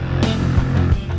saya akan menemukan mereka